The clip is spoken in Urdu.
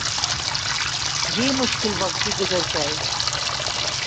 یہ مشکل وقت بھی گزر جائے گا